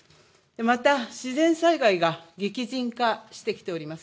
また自然災害が激甚化してきております。